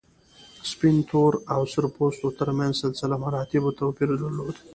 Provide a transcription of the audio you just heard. سپین، تور او سره پوستو تر منځ سلسله مراتبو توپیر درلود.